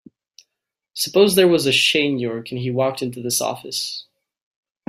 Suppose there was a Shane York and he walked into this office.